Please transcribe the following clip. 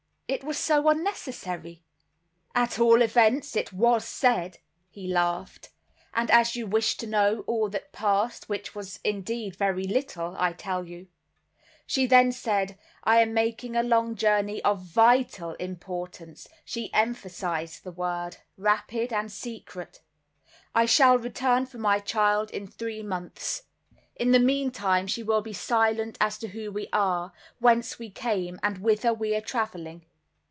"It was so unnecessary." "At all events it was said," he laughed, "and as you wish to know all that passed, which was indeed very little, I tell you. She then said, 'I am making a long journey of vital importance—she emphasized the word—rapid and secret; I shall return for my child in three months; in the meantime, she will be silent as to who we are, whence we come, and whither we are traveling.